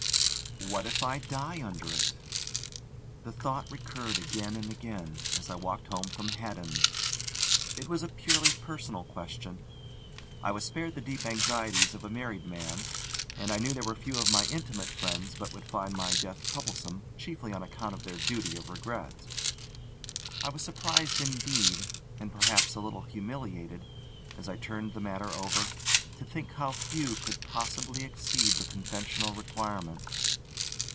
"What if I die under it?" The thought recurred again and again, as I walked home from Haddon's. It was a purely personal question. I was spared the deep anxieties of a married man, and I knew there were few of my intimate friends but would find my death troublesome chiefly on account of their duty of regret. I was surprised indeed, and perhaps a little humiliated, as I turned the matter over, to think how few could possibly exceed the conventional requirement.